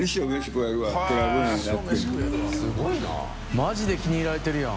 マジで気に入られてるやん。